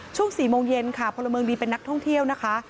ช่วง๔โมงเย็นค่ะพลเมืองดีเป็นนักท่องเที่ยวนะคะ